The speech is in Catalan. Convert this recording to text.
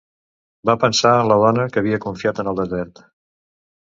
Va pensar en la dona que havia confiat en el desert.